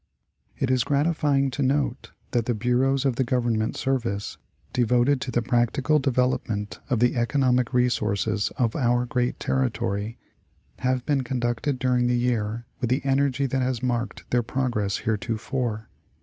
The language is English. It is gratifying to note that the Bureaus of the Government service devoted to the practical development of the economic re sources of our great territory, have been conducted during the year with the energy that has marked their progress heretofore.